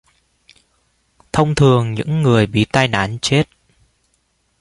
Thông thường những người bị tai nạn chết